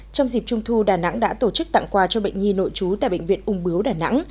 trong dịp trung thu đà nẵng đã tổ chức tặng quà cho bệnh nhi nội trú tại bệnh viện ung bướu đà nẵng